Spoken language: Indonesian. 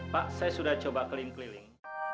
pak saya sudah coba clean cleaning